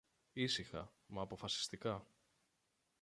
Ήσυχα, μα αποφασιστικά